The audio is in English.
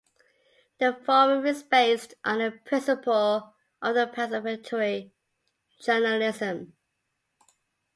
The forum is based on the principle of participatory journalism.